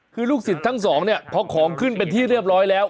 คือลูกศิษย์ทั้งสองเนี่ยพอของขึ้นเป็นที่เรียบร้อยแล้ว